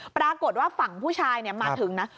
ปรากฏว่าฝั่งผู้ชายมาถึงนะ